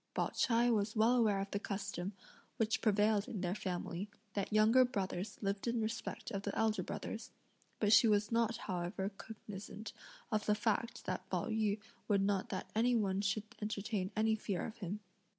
Pao ch'ai was well aware of the custom, which prevailed in their family, that younger brothers lived in respect of the elder brothers, but she was not however cognisant of the fact that Pao yü would not that any one should entertain any fear of him.